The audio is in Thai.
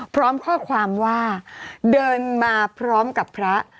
พร้อมข้อความว่าเดินมาพร้อมกับพระ